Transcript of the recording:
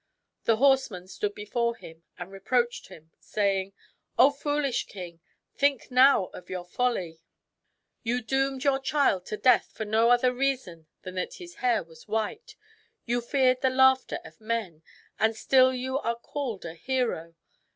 The horseman stood before him and re proached him, saying :—" O foolish king, think now of your folly ! You doomed your child to death for no other reason than that his hair was white. You feared the laughter of men ; and still you are called a hero.